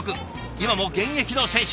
今も現役の選手。